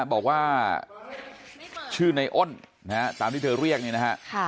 บอกว่าไม่เปิดชื่อไนโอนนะฮะตามที่เธอเรียกนี่นะฮะค่ะ